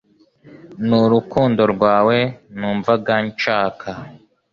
Ni urukundo rwawe numvaga nshaka